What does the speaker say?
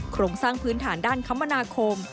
โครงสร้างพื้นฐานด้านคมนาคม